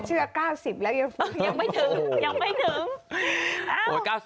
ไม่ช่วย๙๐ด้วย